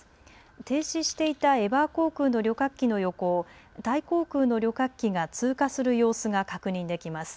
停止していたエバー航空の旅客機の横をタイ航空の旅客機が通過する様子が確認できます。